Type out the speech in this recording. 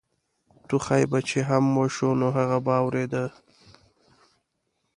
ټوخی به چې هم وشو نو هغوی به اورېده.